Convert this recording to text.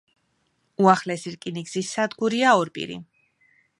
უახლესი რკინიგზის სადგურია ორპირი.